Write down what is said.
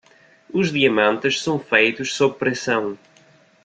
Os diamantes são feitos sob pressão.